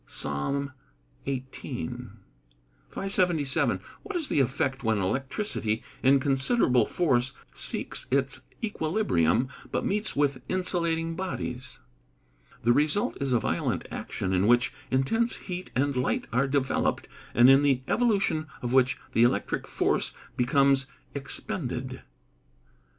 PSALM XVIII.] 577. What is the effect when electricity, in considerable force, seeks its equilibrium, but meets with insulating bodies? The result is a violent action in which, intense heat and light are developed, and in the evolution of which the electric force becomes expended.